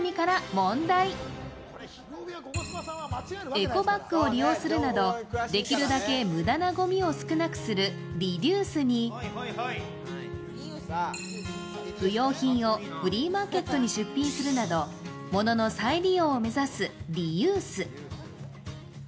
エコバッグを利用するなど、できるだけむだなごみを少なくするＲＥＤＵＳＥに、不用品をフリーマーケットに出品するなど物の再利用を目指すＲＥＵＳＥ。